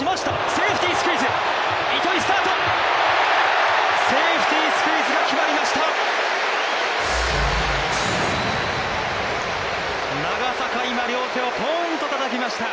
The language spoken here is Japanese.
セーフティースクイズが決まりました。